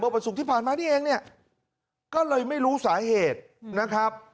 วันศุกร์ที่ผ่านมานี่เองเนี่ยก็เลยไม่รู้สาเหตุนะครับ